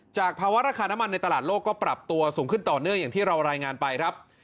ภาวะราคาน้ำมันในตลาดโลกก็ปรับตัวสูงขึ้นต่อเนื่องอย่างที่เรารายงานไปครับ